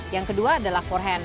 yang kedua adalah forehand